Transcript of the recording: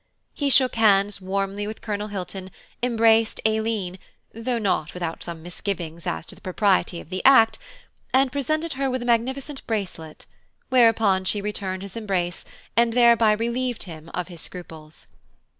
He shook hands warmly with Colonel Hilton, embraced Aileen, though not without some misgivings as to the propriety of the act, and presented her with a magnificent bracelet; whereupon she returned his embrace and thereby relieved him of his scruples.